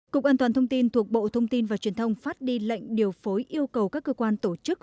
cục an toàn thông tin thuộc bộ thông tin và truyền thông phát đi lệnh điều phối yêu cầu các cơ quan tổ chức